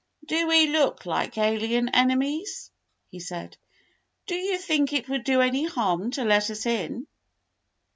"Do we look like alien enemies.^" he said. "Do you think it would do any harm to let us in.